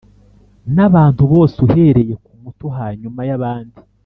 n abantu bose uhereye ku muto hanyuma y abandi